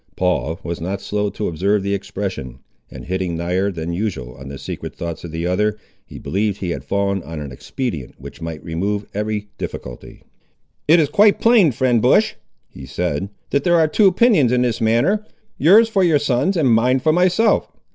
Paul was not slow to observe the expression, and hitting nigher than usual on the secret thoughts of the other, he believed he had fallen on an expedient which might remove every difficulty. "It is quite plain, friend Bush," he said, "that there are two opinions in this matter; yours for your sons, and mine for myself.